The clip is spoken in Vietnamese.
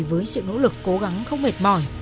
với sự nỗ lực cố gắng không mệt mỏi